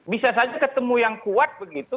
bisa saja ketemu yang kuat begitu